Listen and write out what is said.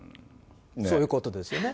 そういうことですよね。